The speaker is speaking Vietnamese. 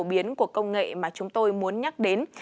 rất phổ biến của công nghệ mà chúng tôi muốn nhắc đến